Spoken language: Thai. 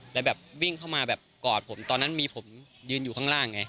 แล้วแบบวิ่งเข้ามาแบบกอดผมตอนนั้นมีผมยืนอยู่ข้างล่างไง